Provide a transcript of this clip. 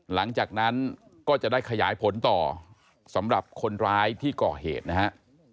หลังจากนั้นก็จะได้ขยายผลต่อสำหรับคนร้ายที่ก่อเหตุนะฮะ